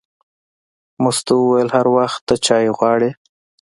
مستو وویل: هر وخت ته چای غواړې.